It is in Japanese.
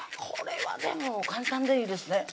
これはでも簡単でいいですね